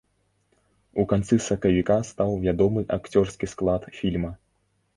У канцы сакавіка стаў вядомы акцёрскі склад фільма.